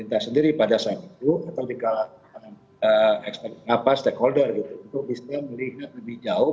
untuk bisa melihat lebih jauh